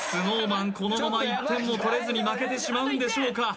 このまま１点も取れずに負けてしまうんでしょうか？